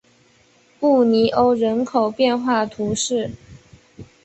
布尼欧人口变化图示